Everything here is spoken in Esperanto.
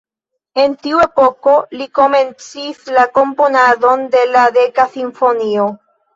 En tiu epoko, li komencis la komponadon de la "Deka Simfonio".